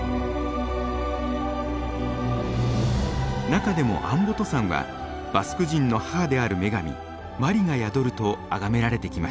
中でもアンボト山はバスク人の母である女神マリが宿るとあがめられてきました。